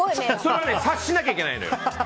それ察しなきゃいけないのよ。